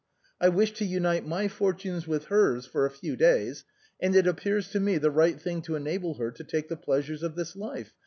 I wish to unite my fortunes with hers for a few days, and it ap pears to me the right thing to enable her to take the pleasures of this life.